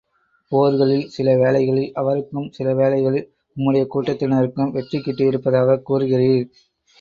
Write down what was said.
போர்களில், சில வேளைகளில் அவருக்கும், சில வேளைகளில் உம்முடைய கூட்டத்தினருக்கும் வெற்றி கிட்டியிருப்பதாகக் கூறுகிறீர்.